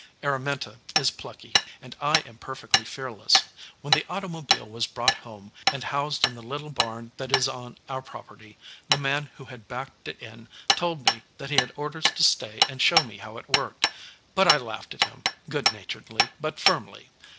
Araminta is plucky, and I am perfectly fearless. When the automobile was brought home and housed in the little barn that is on our property, the man who had backed it in told me that he had orders to stay and show me how it worked, but I laughed at him good naturedly yet firmly.